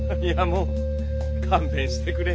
もう勘弁してくれ。